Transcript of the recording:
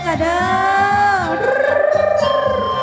ว้าวเยี่ยม